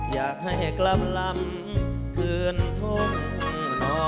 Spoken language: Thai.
อยากให้กลับลำคืนทุ่งนอ